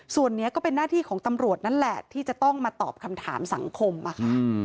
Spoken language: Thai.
ส่วนนี้ก็เป็นหน้าที่ของตำรวจนั่นแหละที่จะต้องมาตอบคำถามสังคมอะค่ะ